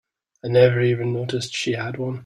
I never even noticed she had one.